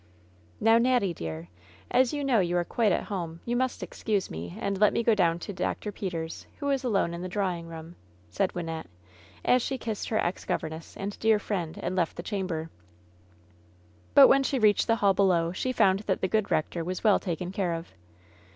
"Now, Natty, dear, as you know you are quite at home, you must excuse me, and let me go down to Dr. Peters, who is alone in the drawing room," said Wyn nette, as she kissed her ex governess and dear friend and left the chamber. But when she reached the hall below she found that the good rector was well taken care of.